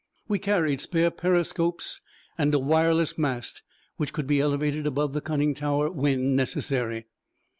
We carried spare periscopes and a wireless mast, which could be elevated above the conning tower when necessary.